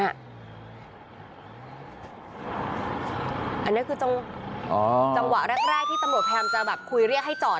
อันนี้คือจังหวะแรกที่ตำรวจพยายามจะแบบคุยเรียกให้จอด